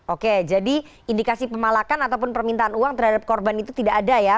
oke jadi indikasi pemalakan ataupun permintaan uang terhadap korban itu tidak ada ya